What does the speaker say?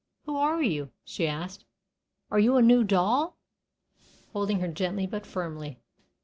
"Who are you?" she asked. "Are you a new doll?" holding her gently but firmly.